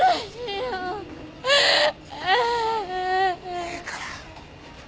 ええから。